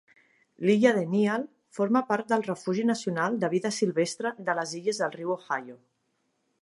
L'illa de Neal forma part del Refugi Nacional de Vida Silvestre de les Illes del Riu Ohio.